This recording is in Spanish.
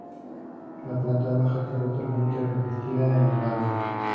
La planta baja está totalmente revestida en mármol.